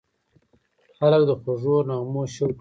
خلک د خوږو نغمو شوق لري.